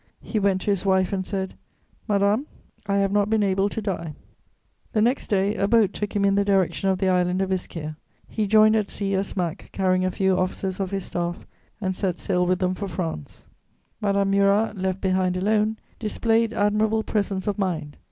He went to his wife and said: "Madame, I have not been able to die." The next day, a boat took him in the direction of the island of Ischia; he joined at sea a smack carrying a few officers of his staff, and set sail with them for France. [Sidenote: Murat's flight.] Madame Murat, left behind alone, displayed admirable presence of mind.